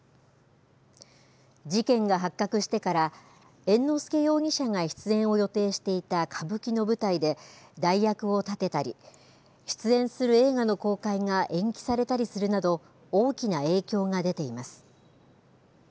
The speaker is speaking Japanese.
事件が発覚してから、猿之助容疑者が出演を予定していた歌舞伎の舞台で、代役を立てたり、出演する映画の公開が延期されたりするなど、大きな影響が出ています。